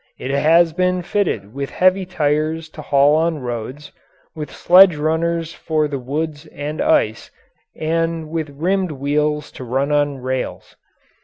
It has been fitted with heavy tires to haul on roads, with sledge runners for the woods and ice, and with rimmed wheels to run on rails.